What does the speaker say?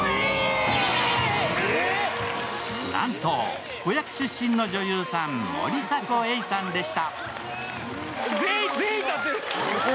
なんと子役出身の女優さん、森迫永依さんでした。